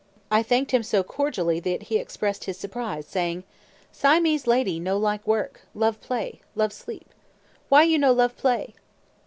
I thanked him so cordially that he expressed his surprise, saying, "Siamese lady no like work; love play, love sleep. Why you no love play?"